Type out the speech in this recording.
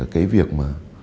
cái việc mà